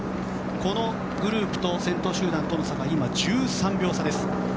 このグループと先頭集団との差が今、１３秒差です。